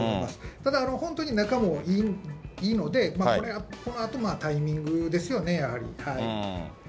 ただ、本当に仲もいいので、このあと、タイミングですよね、やはり。